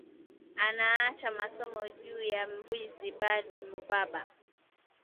Anaacha masomo juya bwizi bali mubamba